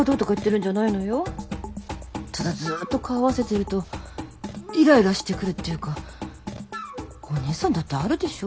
ただずっと顔を合わせてるとイライラしてくるっていうかお姉さんだってあるでしょ。